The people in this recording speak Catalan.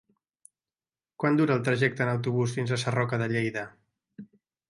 Quant dura el trajecte en autobús fins a Sarroca de Lleida?